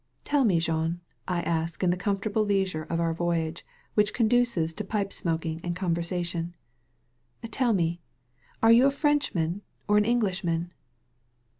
''Tell me, Jean,*' I ask in the comfortable leisure of our voyage which conduces to pipe smoking and ccmversation, "tell me, are you a Fr^ichman or an Englishman?"